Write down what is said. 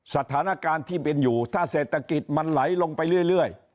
สถานการณ์ที่เป็นอยู่ถ้าเศรษฐกิจมันไหลลงไปเรื่อย